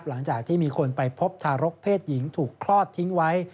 หลังจากที่มีคนไปพบทารกเพศหญิงถูกคลอดทิ้งไว้